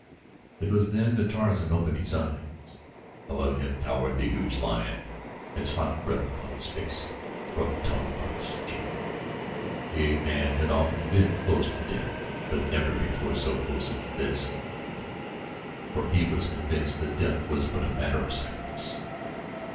It was then that Tarzan opened his eyes. Above him towered the huge lion, its hot breath upon his face, its rough tongue upon his cheek. The ape man had often been close to death; but never before so close as this, he thought, for he was convinced that death was but a matter of seconds.